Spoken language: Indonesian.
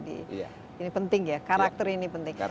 ini penting ya karakter ini penting